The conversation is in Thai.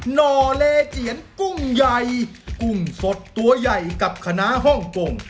หน่อเลเจียนกุ้งใหญ่กุ้งสดตัวใหญ่กับคณะฮ่องกง